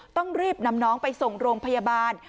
ต้องรีบนำน้องไปส่งโรงพยาบาล